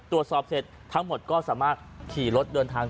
ตรวจสอบเสร็จทั้งหมดก็สามารถขี่รถเดินทาง